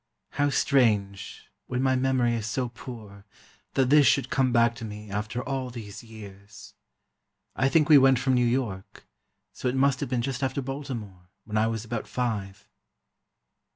How strange, when my memory is so poor, that this should come back to me, after all these years. I think we went from New York, so it must have been just after Baltimore, when I was about five."